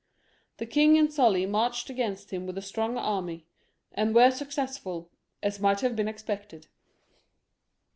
The king and Sully 312 HENRY IV. [CH. marched against him with a strong army, and were suc cessful, as might have been expected.